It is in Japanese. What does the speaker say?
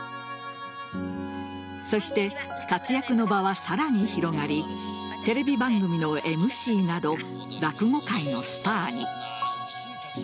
そして活躍の場はさらに広がりテレビ番組のＭＣなど落語界のスターに。